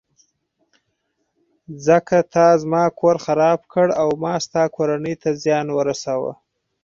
ځکه تا زما کور خراب کړ او ما ستا کورنۍ ته زیان ورساوه.